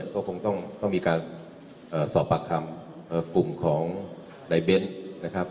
ก็คงต้องมีการสอบปากคำกลุ่มของนายเบ้นนะครับ